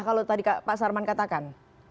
kalau tadi pak sarman katakan